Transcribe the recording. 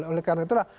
oleh karena itulah